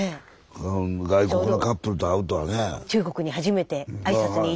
外国のカップルと会うとはね。